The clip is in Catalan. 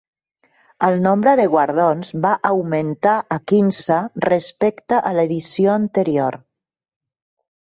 El nombre de guardons va augmentar a quinze respecte a l'edició anterior.